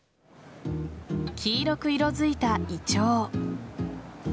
黄色く色づいたイチョウ。